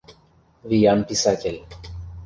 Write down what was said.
Виян писатель.